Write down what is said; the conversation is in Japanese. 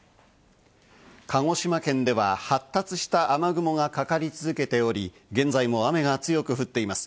鹿児島県では発達した雨雲がかかり続けており、現在も雨が強く降っています。